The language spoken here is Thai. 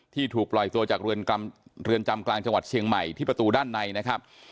ถูกปล่อยตัวจากเรือนจำกลางจังหวัดเชียงใหม่ที่ประตูด้านในนะครับ